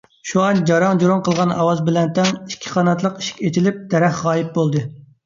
شۇئان جاراڭ - جۇراڭ قىلغان ئاۋاز بىلەن تەڭ ئىككى قاناتلىق ئىشىك ئېچىلىپ دەرەخ غايىب بولدى.